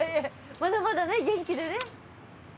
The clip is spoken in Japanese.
まだまだね元気でね。